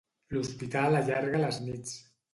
L'hospital allarga les nits.